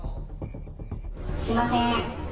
すみません。